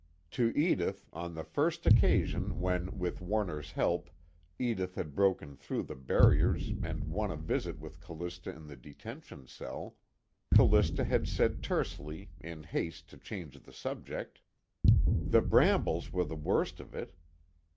To Edith, on the first occasion when with Warner's help Edith had broken through the barriers and won a visit with Callista in the detention cell, Callista had said tersely, in haste to change the subject: "The brambles were the worst of it."